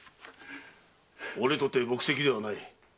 俺とて木石ではない。